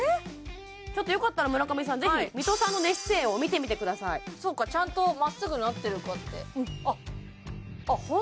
ちょっとよかったら村上さんぜひ三戸さんの寝姿勢を見てみてくださいそうかちゃんとまっすぐなってるかってあっあっ